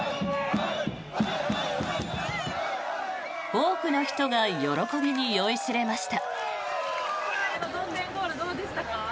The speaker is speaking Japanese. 多くの人が喜びに酔いしれました。